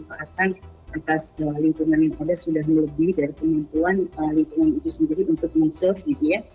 oleh karena penyelesaian atas lintungan yang ada sudah lebih dari penyelesaian lintungan itu sendiri untuk men serve